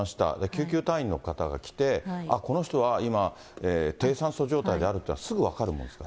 救急隊員の方が来て、あっ、この人は今、低酸素状態であるというのはすぐ分かるもんですか。